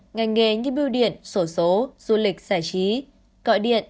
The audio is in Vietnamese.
ngành nghề như biêu điện sổ số du lịch giải trí gọi điện